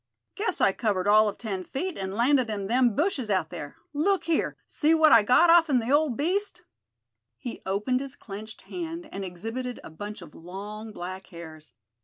Guess I covered all of ten feet, and landed in them bushes out there. Look here! See what I got off'n the old beast." He opened his clenched hand, and exhibited a bunch of long black hairs.